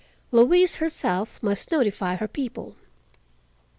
Louise herself must notify her people.